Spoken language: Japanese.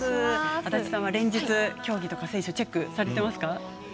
足立さんは連日、競技とか選手チェックされていましたか？